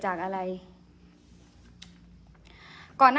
แชทสิวะ